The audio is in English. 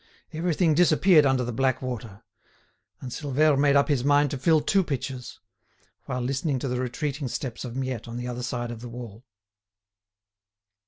Everything disappeared under the black water. And Silvère made up his mind to fill two pitchers, while listening to the retreating steps of Miette on the other side of the wall.